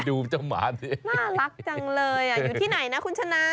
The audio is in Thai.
อยู่ที่ไหนคุณชนะ